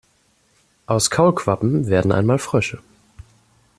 Aus den Kaulquappen werden einmal Frösche.